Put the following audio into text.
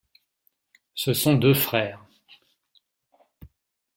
Ce sont deux frères.